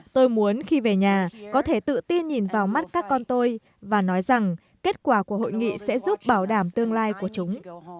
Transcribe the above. tôi muốn khi về nhà có thể tự tin nhìn vào mắt các con tôi và nói rằng kết quả của hội nghị sẽ giúp bảo đảm tương lai của chúng